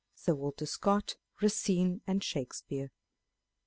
Sir Walter Scott, Racine, and Shakespeare.